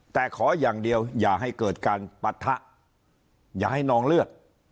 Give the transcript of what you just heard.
แต่ขออย่างเดียวอย่าให้เกิดการปะทะอย่าให้นองเลือด